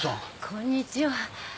こんにちは。